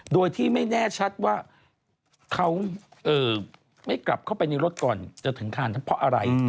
โดยที่ไม่แน่ชัดว่าเขาไม่กลับเข้าไปในรถก่อนจะถึงคานเพราะอะไร